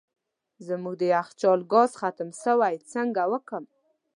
زموږ د یخچال ګاز ختم سوی څنګه وکم